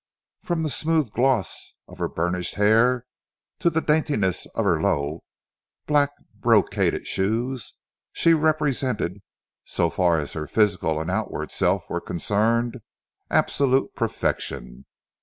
From the smooth gloss of her burnished hair, to the daintiness of her low, black brocaded shoes, she represented, so far as her physical and outward self were concerned, absolute perfection.